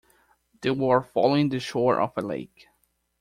They were following the shore of a lake.